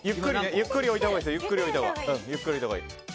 ゆっくり置いたほうがいいです。